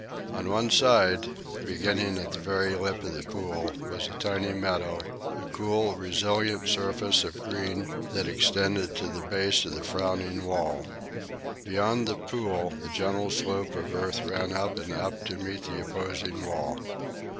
On one side, beginning at the very lip of the pool, was a tiny meadow, a cool, resilient surface of green that extended to the base of the frowning wall. Beyond the pool a gentle slope of earth ran up and up to meet the opposing wall.